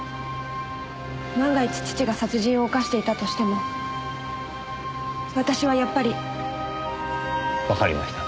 万が一父が殺人を犯していたとしても私はやっぱり。わかりました。